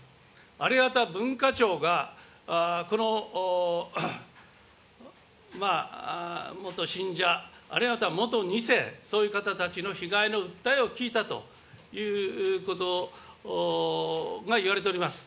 あれは文化庁がこの元信者、あるいはまた元２世、そういう方たちの被害の訴えを聞いたということがいわれております。